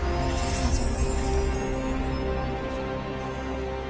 すいません